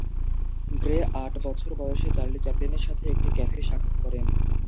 Grey আট বছর বয়সে চার্লি চ্যাপলিনের সাথে একটি ক্যাফে সাক্ষাৎ করেন।